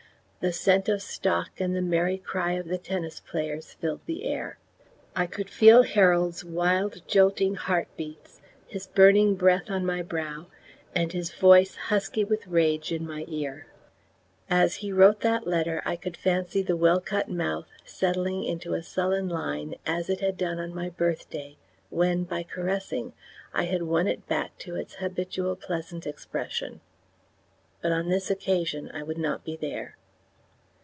The scent of stock and the merry cry of the tennis players filled the air. I could feel Harold's wild jolting heart beats, his burning breath on my brow, and his voice husky with rage in my ear. As he wrote that letter I could fancy the well cut mouth settling into a sullen line, as it had done on my birthday when, by caressing, I had won it back to its habitual pleasant expression; but on this occasion I would not be there.